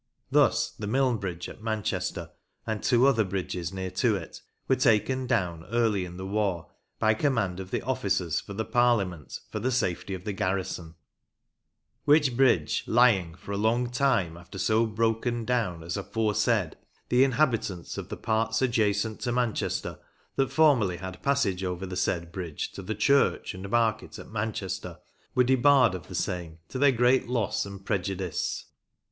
Thus the Milne Bridge at Manchester, and two other bridges near to it, were taken down early in the war by command of the officers for the Parliament for the safety of the garrison, wch bridge lyeinge for a longe tyme after soe broken downe as aforesaid the inhabitants of the parts adjacent to Manch* that formerly had passage over the said bridge to ye church and mafket att Manchr were debarred of the same to their greate losse and prejudice.